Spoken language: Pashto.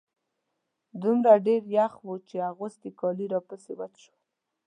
دومره ډېر يخ و چې اغوستي کالي راپسې وچ شول.